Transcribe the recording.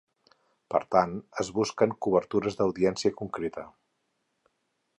Per tant, es busquen cobertures d’audiència concreta.